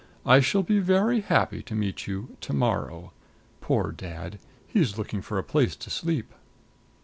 I shall be very happy to meet you to morrow. Poor dad! he's looking for a place to sleep."